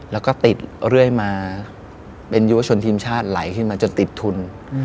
แล้วก็ติดเรื่อยมาเป็นยุวชนทีมชาติไหลขึ้นมาจนติดทุน